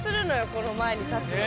この前に立つと。